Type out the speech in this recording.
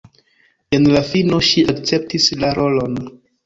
En la fino ŝi akceptis la rolon.